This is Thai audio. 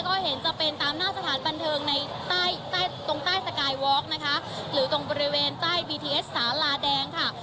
ก็เห็นจะเป็นตามหน้าสถานบันเทิงในใต้ใต้ตรงใต้สกายวอล์กนะคะหรือตรงบริเวณใต้บีทีเอสสาลาแดงค่ะ